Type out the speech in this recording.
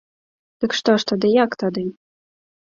Дык што ж тады, як тады?